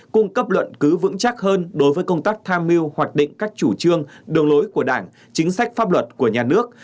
cung cấp luận cứ vững chắc hơn đối với công tác tham mưu hoạch định các chủ trương đường lối của đảng chính sách pháp luật của nhà nước